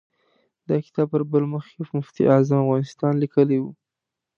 د کتاب پر بل مخ یې مفتي اعظم افغانستان لیکلی و.